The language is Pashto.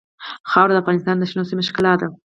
خاوره د افغانستان د شنو سیمو ښکلا ده.